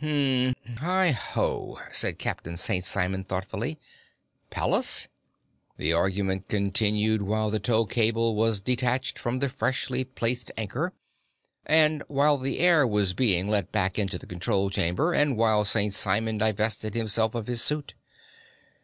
"Hum, hi, ho," said Captain St. Simon thoughtfully. "Pallas?" The argument continued while the tow cable was detached from the freshly placed anchor, and while the air was being let back into the control chamber, and while St. Simon divested himself of his suit.